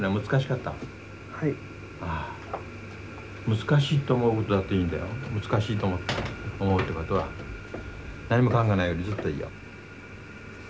「難しい」って思うことだっていいんだよ「難しい」と思うってことは何も考えないよりずっといいよ。